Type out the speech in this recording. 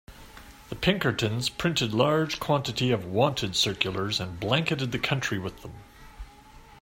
The Pinkerton's printed large quantity of "Wanted" circulars and blanketed the country with them.